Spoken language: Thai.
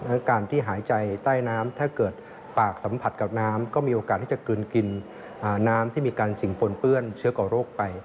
และการที่หายใจใต้น้ำถ้าเกิดปากสัมผัสกับน้ำก็มีโอกาสที่จะกลืนกินน้ำที่มีการสิ่งปนเปื้อนเชื้อก่อโรคไป